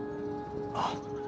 あっ。